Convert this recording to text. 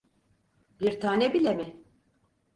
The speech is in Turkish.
Bir tane bile mi?